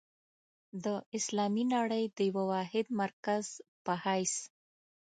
د اسلامي نړۍ د یوه واحد مرکز په حیث.